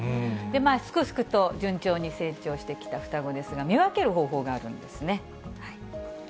すくすくと順調に成長してきた双子ですが、見分ける方法があるんですね。